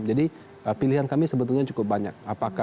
jadi pilihan kami sebetulnya cukup banyak